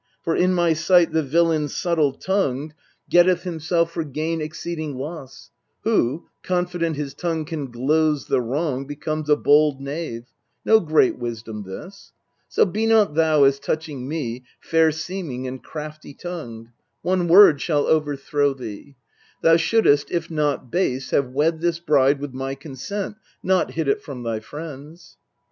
For in my sight the villain subtle tongued 262 EURIPIDES Getteth himself for gain exceeding loss, Who, confident his tongue can gloze the wrong, Becomes a bold knave no great wisdom this. So be not thou, as touching me, fair seeming And crafty tongued : one word shall overthrow thee : Thou shouldest, if not base, have wed this bride With my consent, not hid it from thy friends.